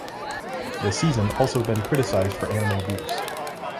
The season also been criticized for animal abuse.